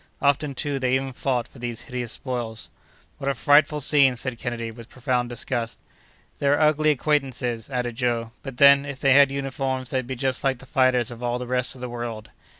Often, too, they even fought for these hideous spoils. "What a frightful scene!" said Kennedy, with profound disgust. "They're ugly acquaintances!" added Joe; "but then, if they had uniforms they'd be just like the fighters of all the rest of the world!"